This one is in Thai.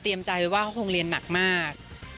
เตรียมใจว่าเขาคงเรียนหนักมาก